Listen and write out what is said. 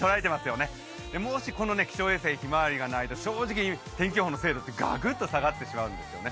もしこの気象衛星ひまわりがないと正直、天気予報の精度って、がくっと下がってしまうんですよね。